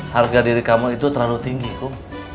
harga diri kamu itu terlalu tinggi kok